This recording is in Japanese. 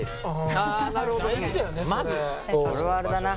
あなるほど。